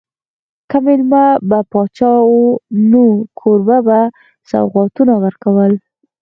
که مېلمه به پاچا و نو کوربه به سوغاتونه ورکول.